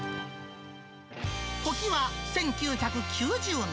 時は１９９０年。